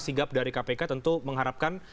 sigap dari kpk tentu mengharapkan